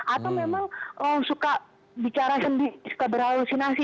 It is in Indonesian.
atau memang suka bicara sendiri suka berharusinasi